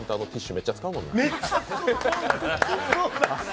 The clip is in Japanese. めっちゃ使うもんな。